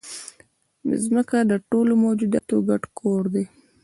مځکه د ټولو موجوداتو ګډ کور دی.